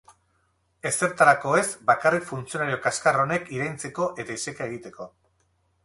Ezertarako ez bakarrik funtzionario kaxkar honek iraintzeko eta iseka egiteko.